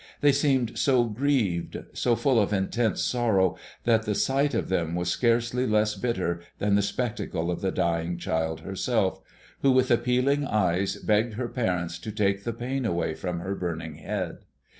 They seemed so grieved, so full of intense sorrow, that the sight of them was scarcely less bitter than the spectacle of the dying child herself, who with appealing eyes begged her parents to take the pain away from her burning head.